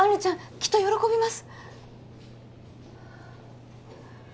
きっと喜びます